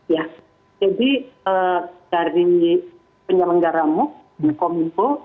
ya jadi dari penyelenggara muk komunpo